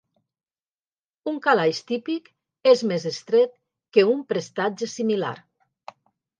Un calaix típic és més estret que un prestatge similar.